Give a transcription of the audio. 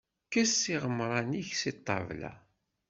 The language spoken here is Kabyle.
Kkes iɣemran-ik seg ṭṭabla.